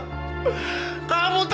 kamu terlalu te